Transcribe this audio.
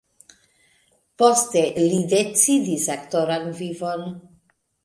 Poste li decidis aktoran vivon.